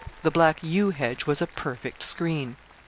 The black yew hedge was a perfect screen.